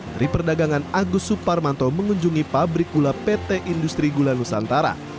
dari perdagangan agus suparmanto mengunjungi pabrik gula pt industri gula nusantara